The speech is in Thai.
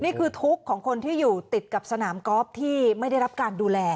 นี่คือทุกข์ของคนที่อยู่ติดกับสนามกอล์ฟที่ไม่ได้รับการดูแล